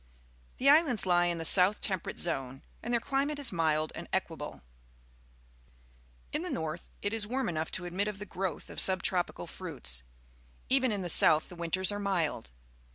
The islands lie in the South Temperate Zone, and their cUmate Js mild arH egnnhfp" IlTIhe north it is warm enough to admit of the growth of sul>^to)pical_fruits. Even in the south the winters are mild.